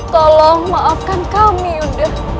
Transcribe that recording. tolong maafkan kami yunda